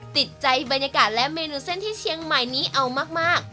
ติดใจบรรยากาศและเมนูเส้นที่เชียงใหม่นี้เอามาก